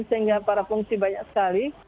sehingga para pengungsi banyak sekali